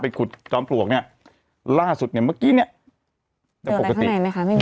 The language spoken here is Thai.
ไปขุดจอมปลวกเนี้ยล่าสุดเนี้ยเมื่อกี้เนี้ยอะไรข้างในไหมคะ